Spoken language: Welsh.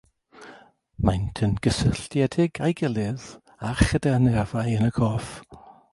Maent yn gysylltiedig â'i gilydd a chyda'r nerfau yn y corff.